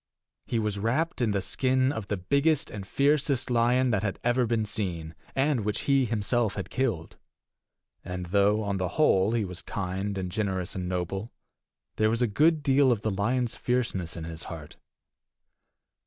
He was wrapt in the skin of the biggest and fiercest lion that ever had been seen, and which he himself had killed; and though, on the whole, he was kind and generous and noble, there was a good deal of the lion's fierceness in his heart.